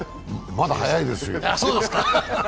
まだ早いですよ。